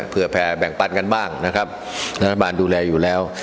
เพื่อแพร่แบ่งปันกันบ้างนะครับรัฐบาลดูแลอยู่แล้ว